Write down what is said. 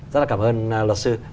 rất là cảm ơn luật sư